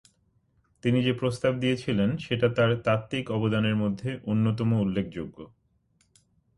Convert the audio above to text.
তিনি যে প্রস্তাব দিয়েছিলেন সেটা তার তাত্ত্বিক অবদানের মধ্যে অন্যতম উল্লেখযোগ্য।